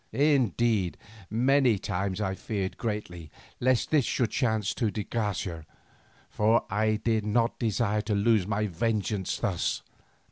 Indeed, many times I feared greatly lest this should chance to de Garcia, for I did not desire to lose my vengeance thus.